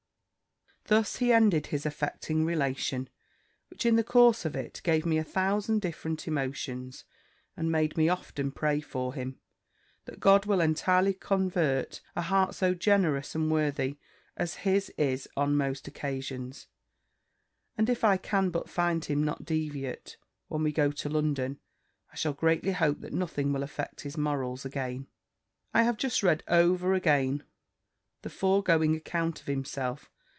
Thus he ended his affecting relation: which in the course of it gave me a thousand different emotions; and made me often pray for him, that God will entirely convert a heart so generous and worthy, as his is on most occasions. And if I can but find him not deviate, when we go to London, I shall greatly hope that nothing will affect his morals again. I have just read over again the foregoing account of himself.